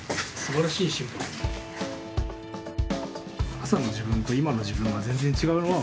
朝の自分と今の自分が全然違うのは分かるでしょ？